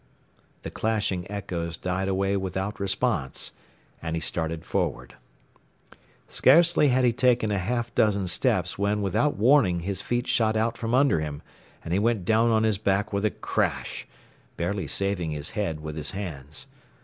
The clashing echoes died away without response, and he started forward. Scarcely had he taken a half dozen steps when without warning his feet shot from under him and he went down on his back with a crash, barely saving his head with his hands.